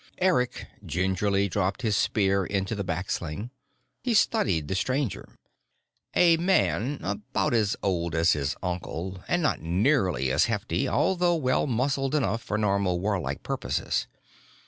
Eric gingerly dropped his spear into the back sling. He studied the Stranger. A man about as old as his uncle and not nearly as hefty, although well muscled enough for normal warlike purposes.